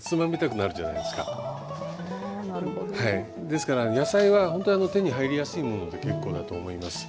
ですから野菜はほんと手に入りやすいもので結構だと思います。